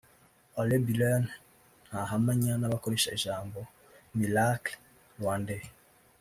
Alain Billen ntahamanya n’abakoresha ijambo “Miracle Rwandais”